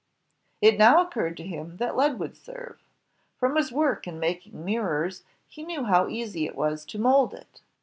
It now occurred to him that lead would serve. From his work in making mirrors he knew how easy it was to mold it.